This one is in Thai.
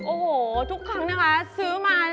โอ้โฮทุกครั้งนะคะ